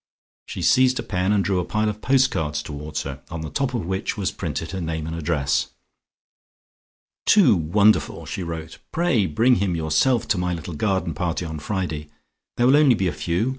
She seized a pen and drew a pile of postcards towards her, on the top of which was printed her name and address. "Too wonderful," she wrote, "pray bring him yourself to my little garden party on Friday. There will be only a few.